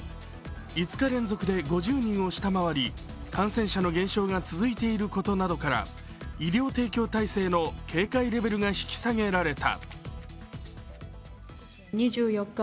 ５日連続で５０人を下回り、感染者の減少が続いていることなどから医療提供体制の警戒レベルが引き下げられた。